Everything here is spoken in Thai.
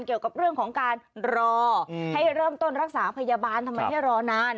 เกี่ยวกับเรื่องของการรอให้เริ่มต้นรักษาพยาบาลทำไมให้รอนาน